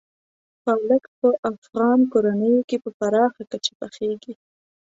پالک په افغان کورنیو کې په پراخه کچه پخېږي.